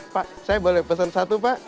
pak saya boleh pesan satu pak